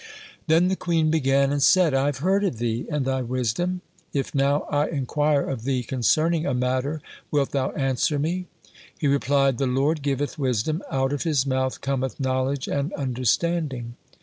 (41) Then the queen began and said: (42) "I have heard of thee and thy wisdom; if now I inquire of thee concerning a matter, wilt thou answer me?" He replied: "The Lord giveth wisdom, out of His mouth cometh knowledge and understanding."